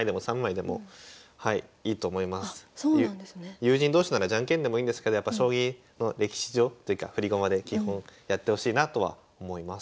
友人同士ならジャンケンでもいいんですけどやっぱ将棋の歴史上というか振り駒で基本やってほしいなとは思います。